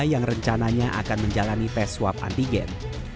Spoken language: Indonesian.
yang rencananya akan menjalani tes swab antigen